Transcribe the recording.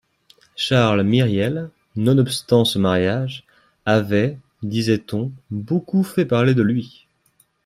Charles Myriel, nonobstant ce mariage, avait, disait-on, beaucoup fait parler de lui